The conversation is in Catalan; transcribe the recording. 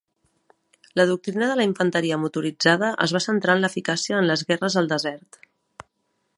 La doctrina de la infanteria motoritzada es va centrar en l'eficàcia en les guerres al desert.